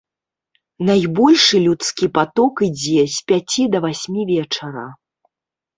Найбольшы людскі паток ідзе з пяці да васьмі вечара.